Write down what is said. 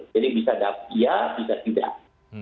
jadi bisa dapet ya bisa tidak